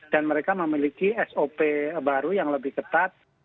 dan mereka memiliki sop baru yang lebih ketat